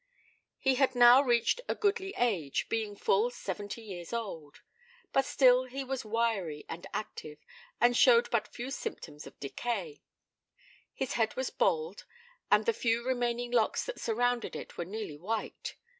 He had now reached a goodly age, being full seventy years old; but still he was wiry and active, and shewed but few symptoms of decay. His head was bald, and the few remaining locks that surrounded it were nearly white.